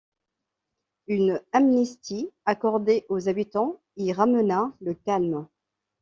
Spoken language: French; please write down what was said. Une amnistie accordée aux habitants y ramena le calme.